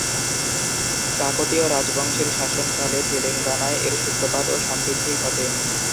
কাকতীয় রাজবংশের শাসনকালে তেলেঙ্গানায় এর সূত্রপাত ও সমৃদ্ধি ঘটে।